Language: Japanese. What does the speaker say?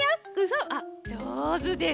あっじょうずです。